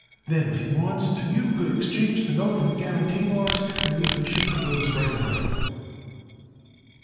Then if he wants to you could exchange the note for the guarantee, Mawruss, and we could ship the goods right away."